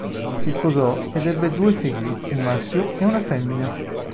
Si sposò ed ebbe due figli, un maschio e una femmina.